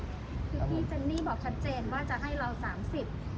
คือพี่เจนนี่บอกชัดเจนว่าจะให้เราสามสิบ